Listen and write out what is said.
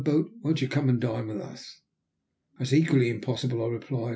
boat. Won't you come and dine with us?" "That is equally impossible," I replied.